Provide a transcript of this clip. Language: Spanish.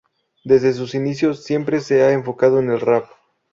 Desde sus inicios, siempre se ha enfocado en el rap.